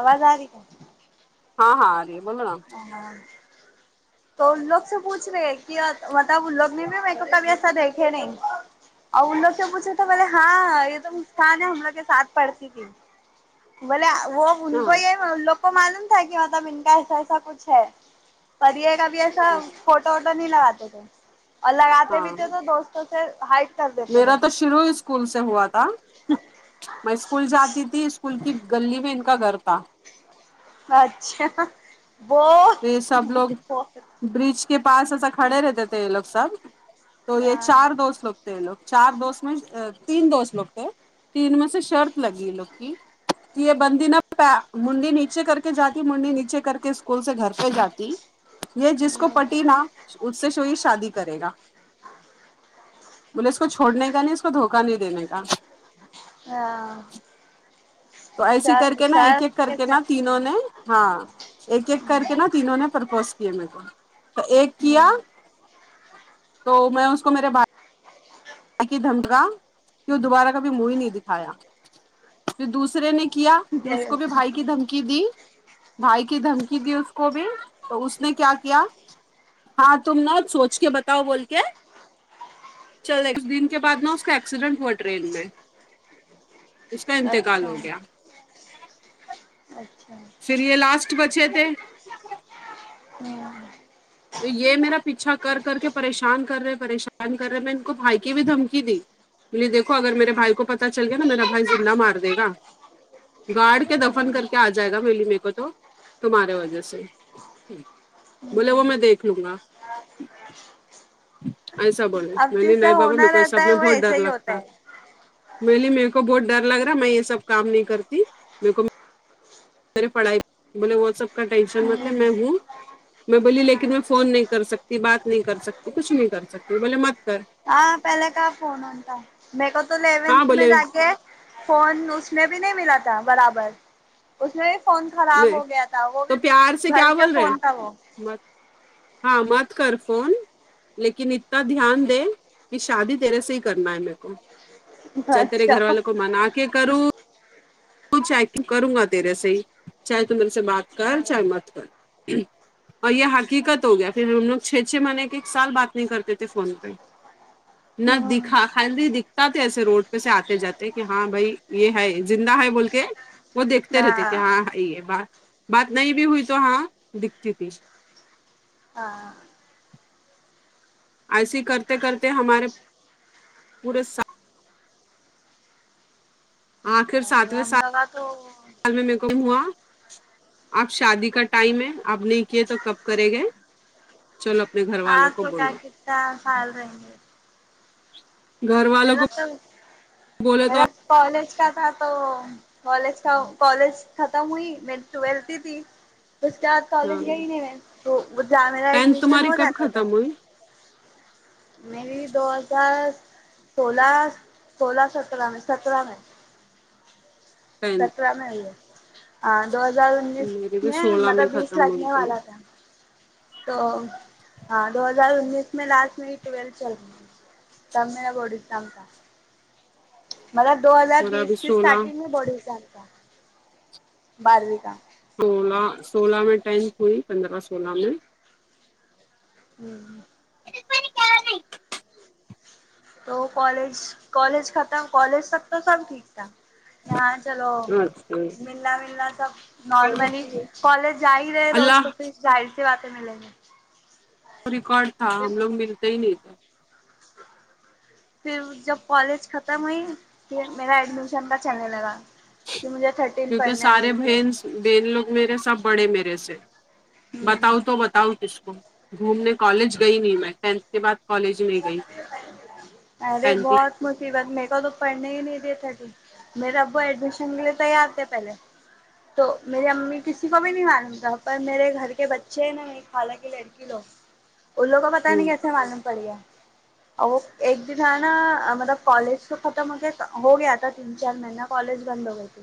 آواز آ رہی ہے ہاں ہاں آرہی ہے بولو نا [inaudible] تو ان لوگ سے پوچھ رہے کہ مطلب ان لوگ نے بھی میرے کو کبھی ایسا دیکھے نہیں اور ان لوگ سے پوچھے تو بولے ہاں یہ تو مستان ہے ہم لوگ کے ساتھ پڑتی تھی بولے وہ ان کو یہ ان لوگ کو معلوم تھا کہ مطلب ان کا ایسا ایسا کچھ ہے پر یہ کبھی ایسا ہاں فوٹو ووٹو نہیں لگاتے تھے اور لگاتے بھی ہاں تھے تو دوست وں سے ہائڈ کر دیتے تھے میرا تو شروع اسکول سے ہوا تھا میں اسکول جاتی تھی اسکول کی گلی میں ان کا گھر تھا اچھا بو یہ سب لوگ برج کے پاس ایسا کھڑے رہتے تھے یہ لوگ سب تو یہ ہاں چار دوست لوگ تھے یہ لوگ چار دوست میں تین دوست لوگ تھے تین میں سے شرت لگی یہ لوگ کی یہ بندی نہ پ منڈی نیچے کر کے جاتی منڈی نیچے کر کے اس کول سے گھر پہ جاتی یہ جس کو پٹی نا اس سے ہوئی شادی کرے گا بولے اس کو چھوڑنے کا نہیں اس کو دھوکا نہیں دینے کا ہاں تو ایسی شر کر کے نا شر ایک ایک کر کے نا چکر تینوں نے ہاں ایک ایک کر کے نا تینوں نے پرپوز کیے میر کو تو ایک کیا تو میں اس کو میرے بھ ائی کی دھمکا کہ وہ دوبارہ کبھی منہ ہی نہیں دکھایا پھر دوسرے نے کیا پھر اس کو بھی میں بھائی کی دھمکی دی بھائی کی دھمکی دی اس کو بھی تو اس نے کیا کیا ہاں تم نہ سوچ کے بتاؤ بول کے چل ایک دن کے بعد نا اس کا ایکسیڈنٹ ہوا ٹرین پے اس کا انتقال اچھا ہو گیا اچھا چلئے لاسٹ بچے تھے ہوں تو یہ میرا پیچھا کر کر کے پریشان کر رہے پریشان کر رہے میں ان کو بھائی کی بھی دھمکی دی بے دیکھو اگر میرے بھائی کو پتا چل گیا نا میرا بھائی زندہ مار د گا گارڈ کے دفن ہوں کر کے آ جائے گا م میرے کو تو تمہارے وجہ سے بولے وہ ہوں میں دیکھ لوں گا ایسا بولے میں اب بولی جیسا نہی بابا میرے ہونا کو یہ رہتا سب ہے میں وہ بہت ڈر ایسا ہی ہوتا لگتا ہے میں بولی میرے کو بہت ڈر لگ رہا ہے میں یہ سب کام نہیں کرتی میرے کو میرے پڑھائی بولے وہ سب کا ٹینشن ہوں مت لے میں ہوں میں بولی لی کن میں فون نہیں کر سکتی بات نہیں کر سکتی کچھ نہیں کر سکتی بولے مت کر ہاں پہلے کہاں فون ووں ٹھا میرے کو تو ہاں یلونٹھ میں بولے جا کے فون اس میں بھی نہیں ملا تھا برابر اس میں بھی فون میں خراب ہو گیا تھا وہ بھی تو پیار سے گھر کیا کا بول رہے ہیں؟ فون تھا وہ مت ہاں مت کر فون لیکن اتنا دھیان دے کہ شادی تیرے سے ہی کرنا ہے میرے کو چاہے تیرے اچھا گھر والوں کو منا کے کروں تو چاہے تو کروں گا تیرے سے ہی چاہے تم میرے سے بات کر ہاں چاہے مت کر اور یہ حقیقت ہو گیا پھر ہم لوگ چھ چھ مہینے کے سال بات نہیں کرتے تھے فون پہ نہ ہوں دکھا خالی دکھتا تھا ایسے روڈ پہ سے آتے جاتے کہ ہاں بھائی یہ ہے زندہ ہے بول کے وہ دیکھتے رہتے کہ ہاں ہے بات بات نہیں بھی ہوئی تو ہاں دکھتی تھی ہاں ایسی کرتے کرتے ہمارے پورے سات آخر ساتویں ہم سال لوگا تو بعد میں میرے کو معلوم ہوا اب شادی کا ٹائم ہے اب نہیں کیے تو کب کرے گئے تو اپنے گھر ہاں والوں کو تو کیا بولو کتنا سال رہیں گے گھر والوں میرا کو تو بولے تو میرا کالج کا تھا تو کالج کا کالج ختم ہوئی می ٹویلتھ ہی تھی اس کے بعد ہاں کالج گئی نئی میں تو جاں میرا ٹینتھ ایڈمیشن تمہاری ہو کب جاتا تھا ختم ہوئی میری دو ہزار سولہ سولہ سترہ میں سترہ میں پین [unintelligible] ہاں دو ہزار انیس میری بھی میں سولہ مطلب بیس ختم ہوئی لگنے تھی والا تھا تو ہاں دو ہزار انیس میں لاسٹ میری ٹویلتھ چل تا میں بولریوں تم تھا مطلب دو ہزار میرا بیس بھی کی سولہ سٹارٹنگ میں بورڈ یگزام تھا باروی کا سولہ سولہ میں ٹینتھ ہوئی پندرہ سولہ میں [unintelligible] تو کالج کالج ختم کالج تک تو سب ٹھ یک تھا یہاں چلو ملنا ولنا سب نارملی کالج جا ہی رہے دوست اللہ پھر ظاہر سی بات ہے ملیں گے ریکارڈ تھا پھر ہم لوگ ملتے ہی نہیں پھر جب کالج ختم ہوئی پھر میرا ایڈمیشن کا چلنے لگا کہ مجھے تھرٹیین کیونکہ پڑھنا ہے سارے بول کے بہن بہن لوگ میرے سب بڑے میرے سے ہ بتاؤں تو بتاؤں کس کو گھومنے کالج گئی نہیں میں ٹینتھ کے بعد کالج نہیں گئی ارے ٹینتھ بھی بہت مصیبت میرے کو تو پڑھنے ہی نہیں دییےتھے میرے ابو ایڈمیشن کے لیے تیار تھے پہلے تو میری امی کسی کو بھی نہیں معلوم تھا پر میرے گھر کے بچے ہیں نا میرے خالا کے لڑ کی لوگ ان لوگوں کو پتا ہی ہوں نہیں کیسے معلوم پڑ گیا اب وہ ایک دن ہے نا مطلب کالج تو ختم ہو گیا ہو گیا تھا تین چار م ہینہ کالج بند ہو گئی تھی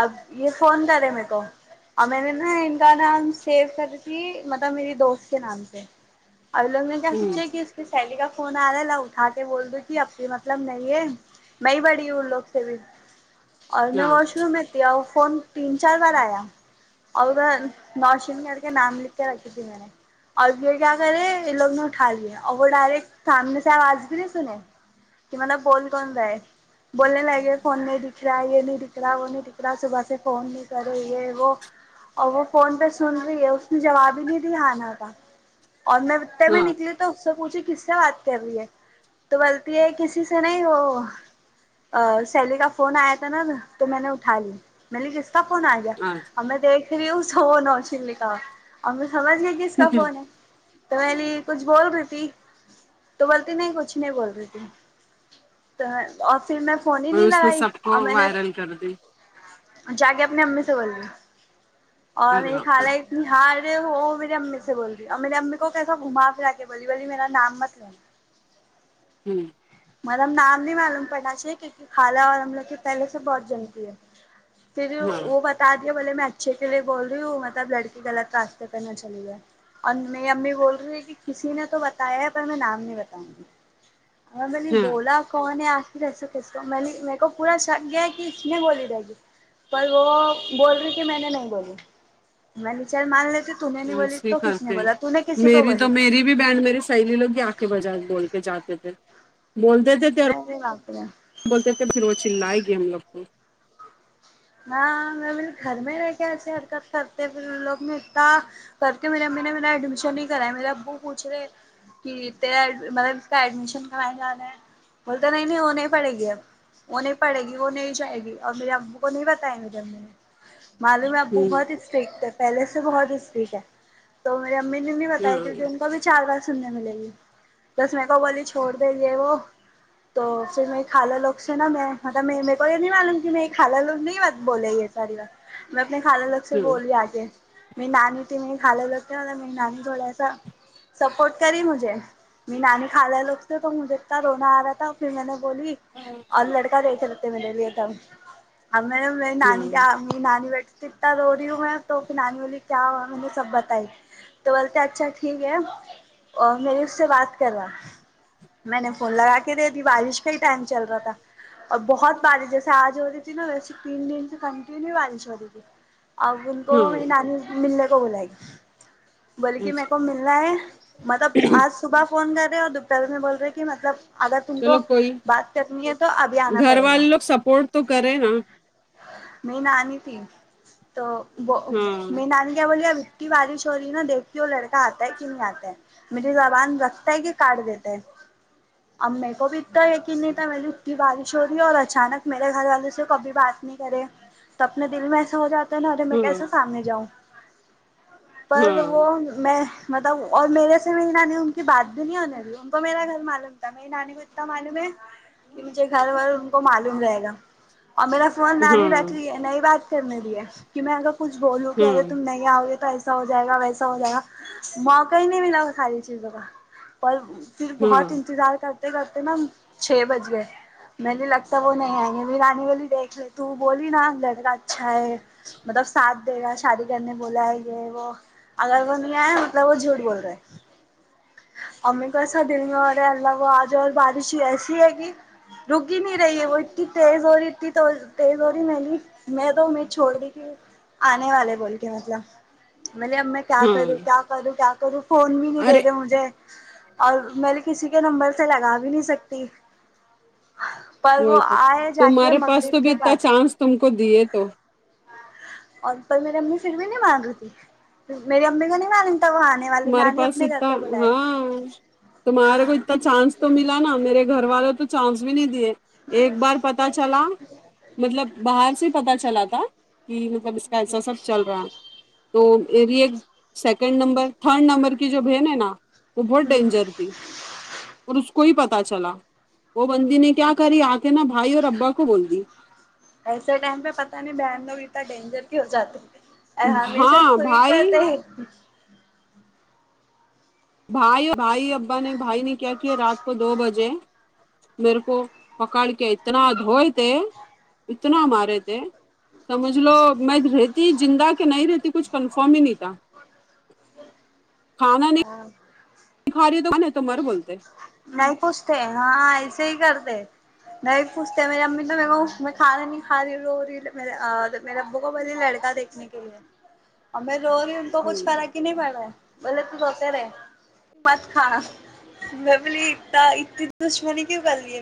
اب یہ فون کرے میرے کو اور میں نے نا ان کا نام سیو کری تھی مطلب میری دوست کے نام سے اب ان لوگ نے کیا ہوں سونچا کہ پھر سہیلی کا فون آ رہا ہے لاؤ اٹھا کے بول دو کہ اپی مطلب نہیں ہے میں پڑی ہوں ان لوگ سے بھی اور میں ہاں واش روم میں تھی اور فون تین چار بار آیا اور ادھر نوشین کر کے نام لکھ کے رکھی تھی میں نے اور یہ کیا کرے ان لوگ نے اٹھا لیا اور وہ ڈائریکٹ سامنے سے آواز بھی نہیں سنے کی مطلب بول کون رہا ہے بولنے لگ گے فون نہیں دکھ رہا یہ نہیں دکھ رہا وہ نہیں دکھ رہا صبح سے فون نہیں کرے یہ وہ اور وہ فون پہ سن رہی ہے اس نے جواب ہی نہیں دیا آناا تھا اور میں اتے میں ہاں نکلی تو اس سے پوچھی کس سے بات کر رہی ہے تو بولتی ہے کسی سے نہیں وہ ا سیلی کا فون آیا تھا نا تو میں نے اٹھا لی میں نے کس کا فون آگیا ہاں اب میں دیکھ رہی ہوں سو نوشین لکھا ہوا اور میں سمجھ گئی کہ کس کا فون ہے تو میں بولی کچھ بول رہی تھی تو بولتی نہیں کچھ نہیں بول رہی تھی تو اور پھر میں فون ہی اور نہیں اس میں لگائی سب کو اور میں نے وائرل کر دیں جا کے اپنی امی سے بول رہی اور ارے یہ باپ رے خھالا یہ ہار گی ہو مری امی سے بول رہی اور میری امی کو کیسا گھما پھرا کے بلی واللی میرا نام مت لینا ہوں مطلب نام نہیں معلوم کرنا چاہیے کیونکہ کھالا اور ہم لوگ کی پہلے سے بہت جلتی ہے پھر ہاں وہ بچ تدیا بولے میں اچھے کے لیے بول رہی ہوں مطلب لڑکی غط راستے پر نہ چلی جائے ام میری امی بول رہی ہے کہ کسی نے تو بتایا ہے پر میں نام نہیں بتاؤں گی اگر میں نے ہاں بولا کون ہے آ جیسو کیسو میں نے میرے کو پورا شک گیا کہ اس نے گولی ڈے گی پر وہ بول رہی کہ میں نے نہیں بولی میں نے چل مان لیتی تو نے نہیں بولی ایسے ہی تو کسی نے کرتے ہیں بولا تو نے کسی کو میری بولی تو میری بھی بینڈ میرے سہیلی لوگ یہاں اکے بجا بول کے جاتے تھے بولتے تھے تھے میں نے باپ رے بولتے تھے پھر وہ چلائے گی ہم لوگ کو ہ میں پھر گھر میں رہ کے ایسے حرکت کرتے پھر ان لوگ میں اتا کر کے میری امی نے میرا ایڈمیشن نہیں کرایا میرے ابو پوچھ رہے کہ اتتا ہے مطلب اس کا ایڈمیشن کرانے جانا ہے بولتا نہیں نہیں وہ نہیں پڑے گی اب وہ نہیں پڑے گی وہ نہیں جائے گی اور میرے ابو وہ نہیں بتائیں گے جب میرے معلوم ہے ابو ہوں بہت ہی فیک پہلے سے بہت ہی اسٹیک ہے تو میری امی نے بھی بتایا کیونکہ ان ہاں کا بھی چار بار سمجھانے لگی بس میکو بولی چھوڑ دے یہ وہ تو پھر میں کھالا لوگ سے نا میں مطلب میرے کو یہ نہیں معلوم کہ میں خالہ لوگ نہیں بولے یہ ساری بات میں اپنے خالہ لوگ سے بولی آ کے میں نانی ت میں خالے لگتی میری نانی تھوڑا سا سپورٹ کری مجھے نانی کھالا لوگ سے تو مجھے اتنا رونا آ رہا تھا پھر میں نے بولی اور لڑکا دیکھے رہتے میرے لیے تب اب میں نے میری ہاں نانی کا ہاں نانی بیٹی تھی تو اتا رو رہی ہوں میں تو پھر نانی بولی کیا ہوا مجھے سب بتائی تو بولتا اچھا ٹھیک ہے اور میرے سے بات کرا میں نے فون لگا کے دے دی بارش کا ہی ٹائم چل رہا تھا اور بہت بارش جیسے آج ہو رہی نا ویسے تین دن سے کنٹینیو بارش ہو رہی تھی اب ان کو ہاں میں نانی ملنے کو بلائی بولی کے میرے اچھا کو ملنا ہے مطلب آج صبح فون کر رہے ہیں اور دوپہر میں بول رہے ہیں کہ مطلب اگر تم کو چلو کوئی بات کرنی ہے تو ابھی آنا گھر پڑے گا والے لوگ سپورٹ تو کرے نا میری نانی تھی تو ہاں میری نانی کیا بولی ابھی بارش ہو رہی نا دیکھتی ہو لڑکا آتا ہے کہ نہیں آتا ہے میری زبان رکھتا ہے کہ کاٹ دیتا ہے اب میرے کو بھی توہ ایک دن کی بارش ہو رہی ہے اور اچانک میں گھر والے سے کبھی بات نہیں کرے تو اپنے دل میں ایسا ہو جاتا ہے ارے میں ہاں کیسے سامنے جاؤں پر ہاں وہ میں مطلب اور میرے سے میں نہ نہیں ان کی بات بھی نہیں ہونے دی ان کو میرا گھر معلوم تھا میری نانی کو اتنا معلوم ہے کہ مجھے گھر ور ان کو معلوم رہے گا اور میرا فون نانی ہاں رکھ لئے نئی بات کرنے دیہ کہ میں اگر کچھ بولوں کہ ہاں ارے تم نئی نئی آؤ گے تو ایسا ہو جائے گا ویسا ہو جائے گا موقع ہی نہیں ولا وہ ساری چیزوں کا [unintelligible] پھر ہاں بہت انتظار کرتے کرتے نا چھ بج گئے میں نے لگتا وہ نہیں آئیں گے میری نانی بولی دیکھ لے تو بولی نا لڑکا اچھا ہے مطلب ساتھ دے گا شادی کرنے بولا ہے یہ وہ اگر وہ نہیں آئے مطلب وہ جھوٹ بول رہے ہیں اور امی کو ایسا دل میں ہوں رہے اللہ وہ ا جائے اور بارش ہی ایسی ہے کہ رکی ہی نہیں رہی ہے وہ ا تیز ہو رہی ا تھی تو تیز ہو رہی میں نے میں تو امید چھوڑ دی تھی آنے والے بول کے مطلب میں نہ ا میں کیا ہاں کروں کیا کروں کیا کروں فون بھی نہیں دے ارے رہے مجھے اور میں نے کسی کے نمبر سے لگا بھی نہیں سکتی پر وہ وہی تو آئے جا کے تمہارے پاس تو مغرب بھی کے اتنا بعد چانس تم کو دیے تو اور پھر میری امی پھر بھی نہیں مانگ رہی تھی مری امی کو نہیں ملیم تھا انہ تمہارے پاس اتنا ہاں تمہارے کو چانس تو ملا نا میرے گھر والوں تو چانس بھی نہیں دیے ایک بار پتا چلا مطلب باہر سے ہی پتا چلا تھا کہ مطلب اس کا ایسا سا چل رہا ہے تو مری ایک سیکنڈ نمبر تھرڈ نمبر کی جو بن ہے نا وہ بہت ہوں ڈینجر تھی اور اس کو ہی پتا چلا وہ بندی نے کیا کری آ کہ نا بھائی اور ابا کو بول دی ایسے ٹائم پہ پتا نہیں بہان لوگ اتنا ڈینجر کو ہو جاتے ہیں ا ہمیشہ ہاں سوئی تو بھائی رہتے ہیں بھائی بھائی ابا نے بھائی نے کیا کیا رات کو دو بجے میرے کو پکاڑ کے اتنا دھوئے تھے اتنا مارے تھے سمجھ لو میں زندہ کہ نہیں رہتی کچھ کنفرم ہی نہیں تھا کھانا نہیں ہاں کھا رہی تو کہا نہیں تو مر بولتے نہیں پوچھتے ہاں ایسے ہی کر دہ نہیں پوچھتے میری امی تو م کو میں کھانا نہیں کھ رہی رو رہی میرے ابو کو بولہ لڑکا دیکھ رنے کے لیے اور میں رو رہی ہو تو کچھ ہ فرق ہی نہیں پڑ رہا ہے بولے تو سوتے رہے مت کا میں بولے اتا اتنی دشمننی کیوں کر لی ہے